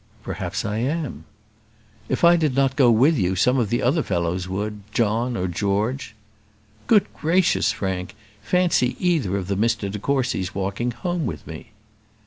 "Perhaps I am." "If I did not go with you, some of the other fellows would. John, or George " "Good gracious, Frank! Fancy either of the Mr de Courcys walking home with me!"